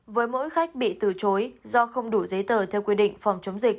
với mỗi khách bị từ chối do không đủ giấy tờ theo quy định phòng chống dịch